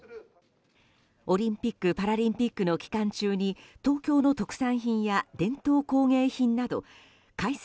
オリンピック・パラリンピックの期間中に東京の特産品や伝統工芸品など開催